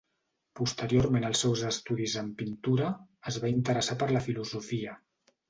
Posteriorment als seus estudis en pintura, es va interessar per la filosofia.